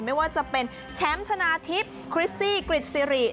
ไม่ว่าจะเป็นแฉมชะนาทิพย์คริสซี่กริดซีรี่